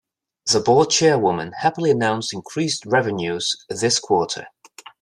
The board chairwoman happily announced increased revenues this quarter.